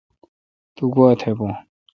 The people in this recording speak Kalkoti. تو گوا تھ بھو۔